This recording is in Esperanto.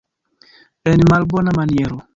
En malbona maniero.